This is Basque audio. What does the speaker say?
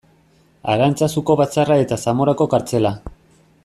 Arantzazuko batzarra eta Zamorako kartzela.